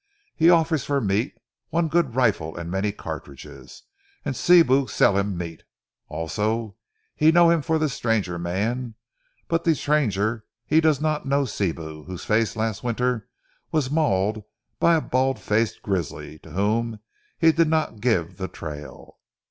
He offer for meat one good rifle and many cartridges, an' Sibou sell him meat. Also he know him for ze stranger mans; but ze stranger he does not know Sibou, whose face was last winter mauled by a bald faced grizzly to whom he did not give ze trail.